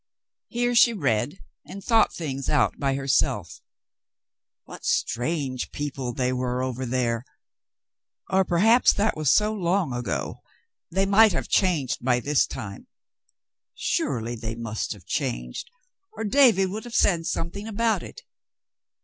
Here she read and thought things out by herself. What 246 The Mountain Girl strange people they were over there ! Or perhaps that was so long ago — they might have changed by this time. Surely they must have changed, or David would have said something about it.